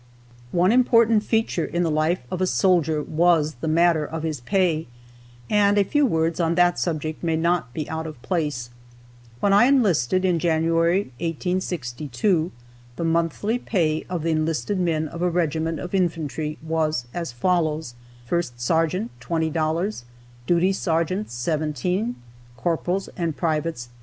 One important feature in the life of a soldier was the matter of his pay, and a few words on that subject may not be out of place. When I enlisted in January, 1862, the monthly pay of the enlisted men of a regiment of infantry was as follows: First sergeant, $20; duty sergeants, $17; corporals and privates, $13.